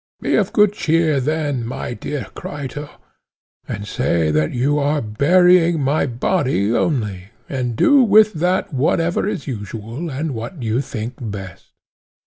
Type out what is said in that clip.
Be of good cheer, then, my dear Crito, and say that you are burying my body only, and do with that whatever is usual, and what you think best.